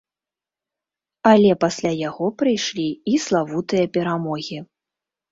Але пасля яго прыйшлі і славутыя перамогі.